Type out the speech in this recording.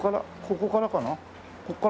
ここからかな？